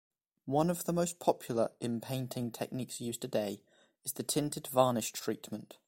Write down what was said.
One of the most popular inpainting techniques used today is the Tinted Varnish Treatment.